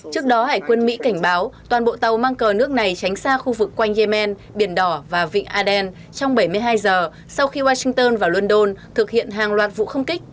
trước đó hải quân mỹ cảnh báo toàn bộ tàu mang cờ nước này tránh xa khu vực quanh yemen biển đỏ và vịnh aden trong bảy mươi hai giờ sau khi washington và london thực hiện hàng loạt vụ không kích